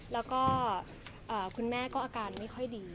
แล้วก็คุณแม่ก็อาการไม่ค่อยดี